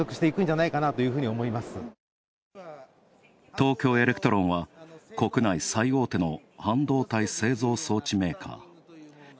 東京エレクトロンは国内最大手の半導体製造装置メーカー。